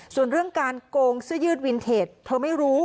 ส่วนเรื่องการโกงเสื้อยืดวินเทจเธอไม่รู้